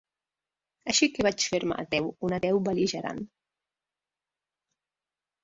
Així que vaig fer-me ateu, un ateu bel·ligerant.